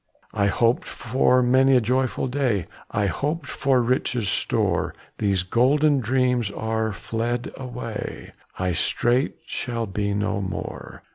"I hoped for many a joyful day, I hoped for riches' store These golden dreams are fled away; I straight shall be no more.